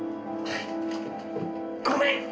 ごめん！